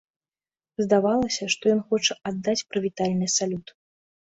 Здавалася, што ён хоча аддаць прывітальны салют.